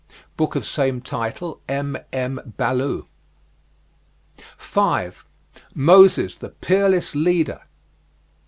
Book of same title, M.M. Ballou. 5. MOSES THE PEERLESS LEADER.